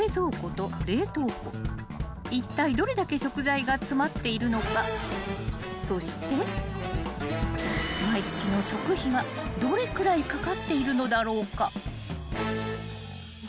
［いったいどれだけ食材が詰まっているのかそして毎月の食費はどれくらいかかっているのだろうか］